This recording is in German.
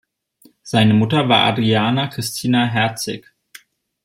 Seine Mutter war Adriana Christina Hertzig.